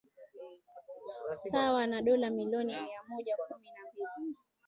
sawa na dola milioni mia mmoja kumi na mbili